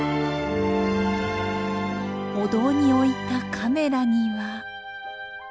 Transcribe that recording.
お堂に置いたカメラには。